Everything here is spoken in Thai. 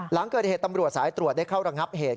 หลังเกิดเหตุตำรวจสายตรวจได้เข้าระงับเหตุ